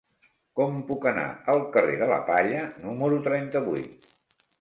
Com puc anar al carrer de la Palla número trenta-vuit?